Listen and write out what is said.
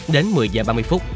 đến một mươi h ba mươi phút